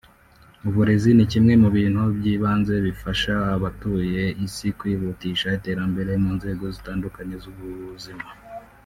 uburezi ni kimwe mu bintu by’ibanze bifasha abatuye isi kwihutisha iterambere mu nzego zitandukanye z’ubuzima